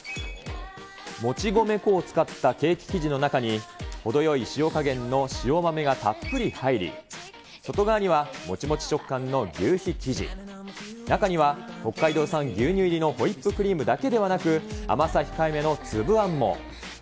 もち米粉を使ったケーキ生地の中に、程よい塩加減の塩豆がたっぷり入り、外側にはもちもち食感の求肥生地、中には、北海道産牛乳入りのホイップクリームだけではなく、甘さ控えめの粒あんも。